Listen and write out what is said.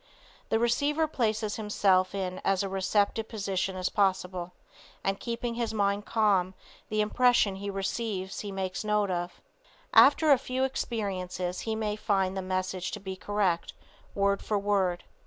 The receiver places himself in as receptive a position as possible, and Keeping his mind calm, the impression he receives he makes note of. After a few experiences he may find the message to be correct, word for word.